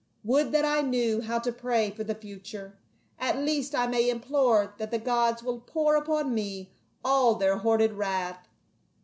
Would that I knew how to pray for thy future. At least I may implore that the gods will pour upon me all their hoarded wrath.